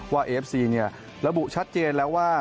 ว่าเอฟซีเนี่ยระบุชัดเจนแล้วว่า